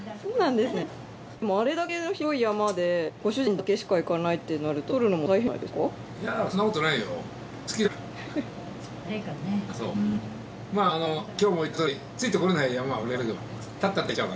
でもあれだけ広い山でご主人だけしか行かないってなるととるのも大変じゃないですか？